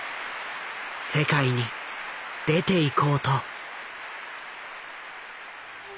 世界に出ていこうと。